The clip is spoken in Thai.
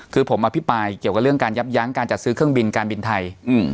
คือผมอภิปรายเกี่ยวกับเรื่องการยับยั้งการจัดซื้อเครื่องบินการบินไทย